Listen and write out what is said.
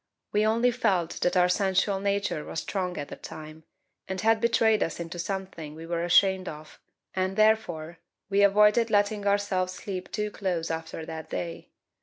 We only felt that our sensual nature was strong at the time, and had betrayed us into something we were ashamed of, and, therefore, we avoided letting ourselves sleep too close after that day.